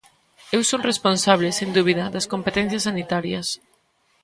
Eu son responsable, sen dúbida, das competencias sanitarias.